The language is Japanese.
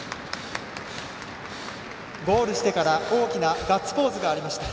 ゴールしてから大きなガッツポーズがありました。